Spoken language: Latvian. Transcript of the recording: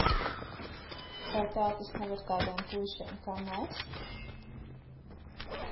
Vai tā tas nav ar tādiem puišiem kā mēs?